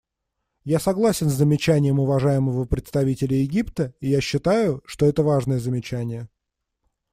Я согласен с замечанием уважаемого представителя Египта, и я считаю, что это важное замечание.